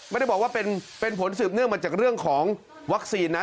ไม่ได้บอกว่าเป็นผลสืบเนื่องมาจากเรื่องของวัคซีนนะ